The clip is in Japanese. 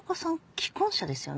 既婚者ですよね？